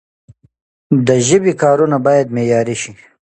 د ژبي کارونه باید معیاري سی.